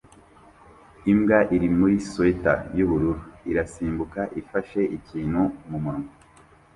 Imbwa iri muri swater yubururu irasimbuka ifashe ikintu mumunwa